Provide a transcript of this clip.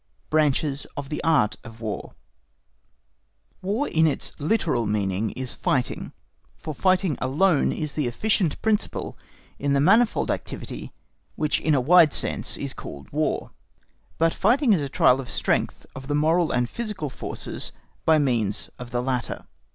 Branches of the Art of War War in its literal meaning is fighting, for fighting alone is the efficient principle in the manifold activity which in a wide sense is called War. But fighting is a trial of strength of the moral and physical forces by means of the latter.